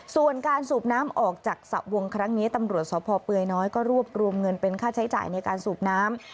ส่วนการสูบน้ำออกจากสระวงครั้งนี้ตำรวจสพเปลือยน้อยก็รวบรวมเงินเป็นค่าใช้จ่ายในการสูบน้ำ